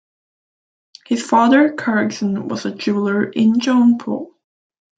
His father Kharagsen was a jeweller in Jaunpur.